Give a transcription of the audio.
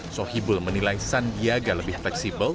sohibul menilai sandiaga lebih fleksibel